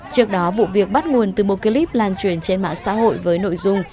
trước đó vụ việc bắt nguồn từ một clip lan truyền trên mạng xã hội với nội dung